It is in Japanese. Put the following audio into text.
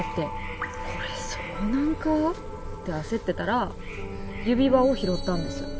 これ遭難か？って焦ってたら指輪を拾ったんですよ。